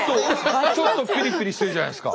ちょっとピリピリしてるじゃないですか。